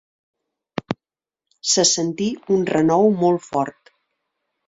Se sentí un renou molt fort.